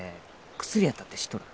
薬やったって知っとる？